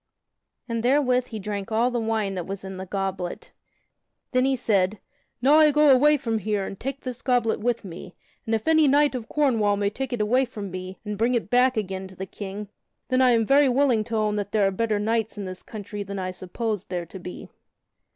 And therewith he drank all the wine that was in the goblet. Then he said: "Now I go away from here and take this goblet with me; and if any knight of Cornwall may take it away from me and bring it back again to the King, then I am very willing to own that there are better knights in this country than I supposed there to be."